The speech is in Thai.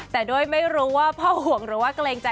แต่ด้วยไม่รู้ว่าพ่อห่วงหรือว่าเกรงใจ